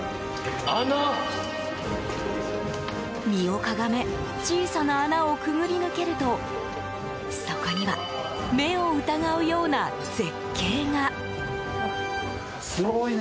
身をかがめ小さな穴を潜り抜けるとそこには目を疑うような絶景が。